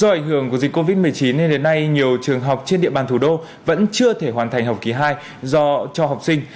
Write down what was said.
do ảnh hưởng của dịch covid một mươi chín nên đến nay nhiều trường học trên địa bàn thủ đô vẫn chưa thể hoàn thành học kỳ hai do cho học sinh